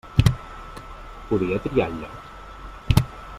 Podia triar el lloc?